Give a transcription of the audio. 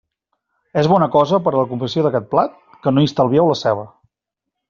És bona cosa, per a la confecció d'aquest plat, que no hi estalvieu la ceba.